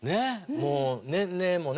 もう年齢もね